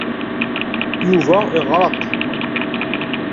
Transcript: Yuba iɣeṛṛeq.